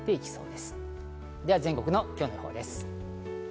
では全国の今日の予報です。